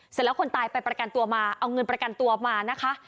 เสร็จแล้วคนตายไปประกันตัวมาเอาเงินประกันตัวมานะคะ